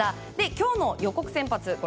今日の予告先発